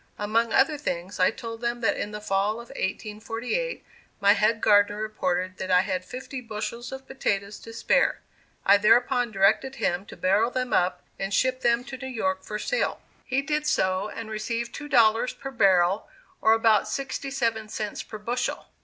Among other things, I told them that in the fall of 1848 my head gardener reported that I had fifty bushels of potatoes to spare. I thereupon directed him to barrel them up and ship them to New York for sale. He did so, and received two dollars per barrel, or about sixty seven cents per bushel.